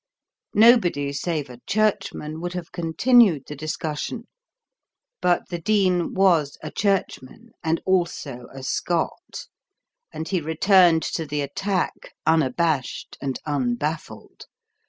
Nobody save a churchman would have continued the discussion. But the Dean was a churchman, and also a Scot, and he returned to the attack, unabashed and unbaffled.